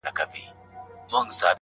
او طوطي ته یې دوکان وو ورسپارلی-